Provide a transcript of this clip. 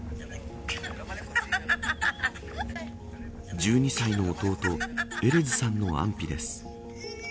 １２歳の弟エレズさんの安否です。